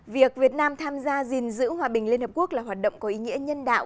việc việt nam tham gia gìn giữ hòa bình liên hợp quốc là hoạt động có ý nghĩa nhân đạo